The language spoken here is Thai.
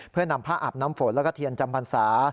เพื่อนำผ้าอาบน้ำฝนแล้วก็เทียนจำพรรษา